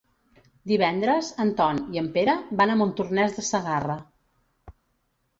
Divendres en Ton i en Pere van a Montornès de Segarra.